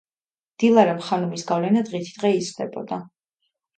დილარამ ხანუმის გავლენა დღითიდღე იზრდებოდა.